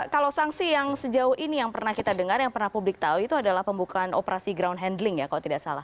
kalau sanksi yang sejauh ini yang pernah kita dengar yang pernah publik tahu itu adalah pembukaan operasi ground handling ya kalau tidak salah